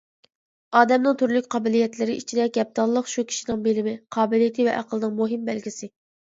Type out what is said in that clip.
ئادەمنىڭ تۈرلۈك قابىلىيەتلىرى ئىچىدە گەپدانلىق شۇ كىشىنىڭ بىلىمى، قابىلىيىتى ۋە ئەقلىنىڭ مۇھىم بەلگىسى.